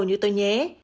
như tôi nhé